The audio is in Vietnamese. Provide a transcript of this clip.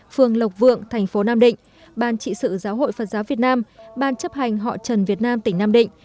phố nam định ban trị sự giáo hội phật giáo việt nam ban chấp hành họ trần việt nam tỉnh nam định